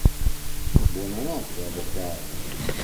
Buonanotte... avvocato!